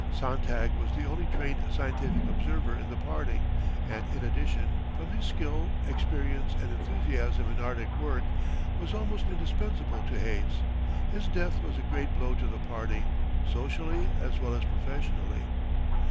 Sontag was the only trained scientific observer in the party; and in addition, from his skill, experience, and enthusiasm in Arctic work, was almost indispensable to Hayes. His death was a great blow to the party, socially as well as professionally.